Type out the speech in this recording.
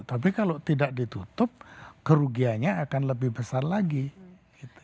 tapi kalau tidak ditutup kerugiannya akan lebih besar lagi gitu